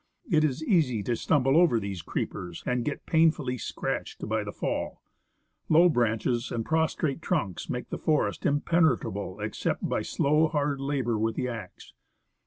It is easy to stumble over these creepers, and get painfully scratched by the fall. Low branches and prostrate trunks make the forest 73 THE ASCENT OF MOUNT ST. ELIAS impenetrable except by slow hard labour with the axe.